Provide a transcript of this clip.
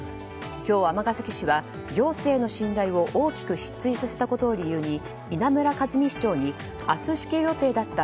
今日、尼崎市は行政の信頼を大きく失墜させたことを理由に稲村和美市長に明日、支給予定だった